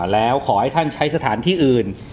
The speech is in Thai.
แล้วขอให้ท่านใช้สถานที่อื่น